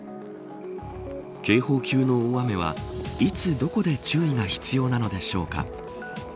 警報級の大雨はいつ、どこで注意が必要なのでしょうか。